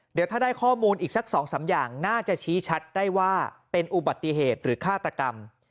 เดี๋ยวถ้าได้ข้อมูลอีกสัก๒๓อย่างน่าจะชี้ชัดได้ว่าเป็นอุบัติเหตุหรือฆาตกรรม